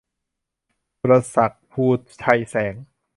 สุรภักดิ์ ภูไชยแสง